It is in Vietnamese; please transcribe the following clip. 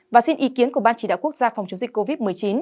và xin ý kiến của ban chỉ đạo quốc gia phòng chống dịch covid một mươi chín